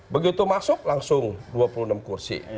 begitu masuk langsung dua puluh enam kursi